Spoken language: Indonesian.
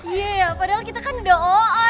iya padahal kita kan udah oh